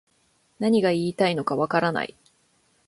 何が言いたいのかわからない